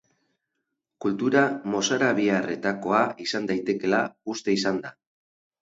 Kultura mozarabiarretakoa izan daitekeela uste izan da.